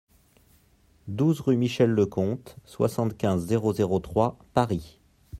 douze rue Michel le Comte, soixante-quinze, zéro zéro trois, Paris